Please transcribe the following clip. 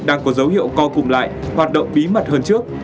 đang có dấu hiệu co cùng lại hoạt động bí mật hơn trước